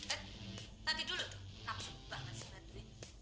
eh nanti dulu tuh nafsu banget sih mbak duit